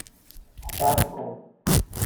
صبر کن